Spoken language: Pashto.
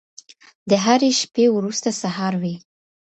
د هرې شپې وروسته سهار وي.